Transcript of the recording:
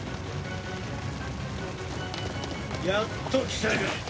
やっと来たか。